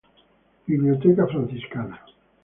Biblioteca Franciscana.